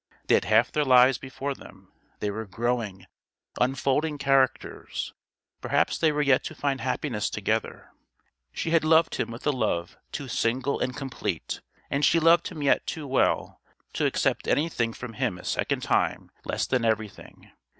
They had half their lives before them: they were growing, unfolding characters; perhaps they were yet to find happiness together. She had loved him with a love too single and complete, and she loved him yet too well, to accept anything from him a second time less than everything.